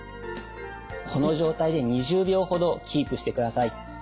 この状態で２０秒ほどキープしてください。